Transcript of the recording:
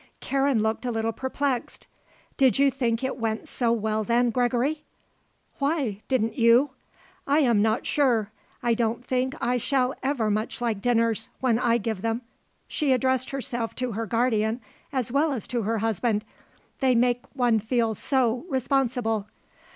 Karen looked a little perplexed. "Did you think it went so well, then, Gregory?" "Why, didn't you?" "I am not sure. I don't think I shall ever much like dinners, when I give them," she addressed herself to her guardian as well as to her husband. "They make one feel so responsible."